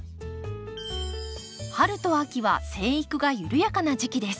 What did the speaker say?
春と秋は生育が緩やかな時期です。